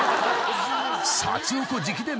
［シャチホコ直伝